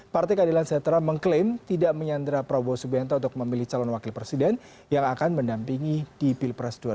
partai keadilan sejahtera mengklaim tidak menyandra prabowo subianto untuk memilih calon wakil presiden yang akan mendampingi di pilpres dua ribu sembilan belas